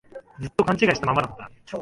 ずっと勘違いしたままだった